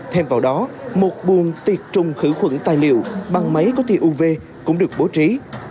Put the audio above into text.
thêm vào đó một buồn tiệt trùng khử khuẩn tài liệu bằng máy có tia uv cũng được bố trí